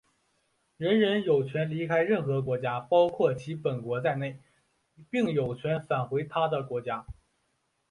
人人有权离开任何国家,包括其本国在内,并有权返回他的国家。